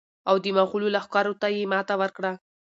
او د مغولو لښکرو ته یې ماته ورکړه.